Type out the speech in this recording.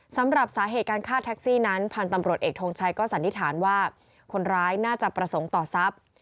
สำหรับสาเหตุการฆ่าแท็กซี่นั้นพันธุ์ตำรวจเอกทงชัยก็สันนิษฐานว่าคนร้ายน่าจะประสงค์ต่อทรัพย์